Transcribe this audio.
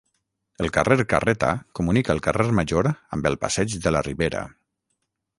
El carrer Carreta comunica el carrer Major amb el Passeig de la Ribera.